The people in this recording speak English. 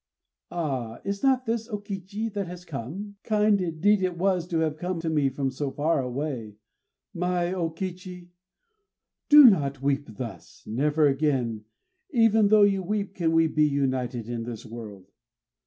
"Ah! is not this O Kichi that has come? Kind indeed it was to have come to me from so far away! My O Kichi, do not weep thus. Never again even though you weep can we be united in this world.